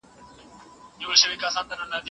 هغې د ستونزو پټول نه دي خوښ کړي.